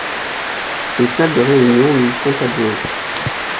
Des salles de réunion lui sont adjointes.